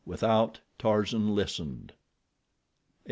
Without, Tarzan listened.